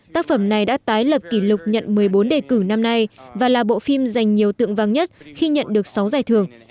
tác phẩm này đã tái lập kỷ lục nhận một mươi bốn đề cử năm nay và là bộ phim dành nhiều tượng vàng nhất khi nhận được sáu giải thưởng